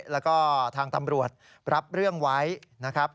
แล้วก็ทางตำรวจรับเรื่องไว้นะครับ